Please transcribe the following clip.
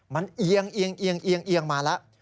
มันเอียงมาแล้ว